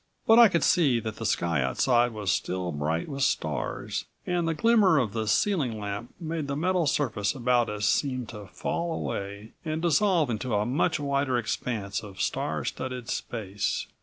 But I could see that the sky outside was still bright with stars, and the glimmer of the ceiling lamp made the metal surface above us seem to fall away and dissolve into a much wider expanse of star studded space.